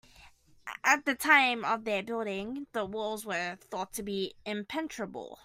At the time of their building, the walls were thought to be impenetrable.